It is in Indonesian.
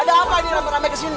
ada apa nih rame rame kesini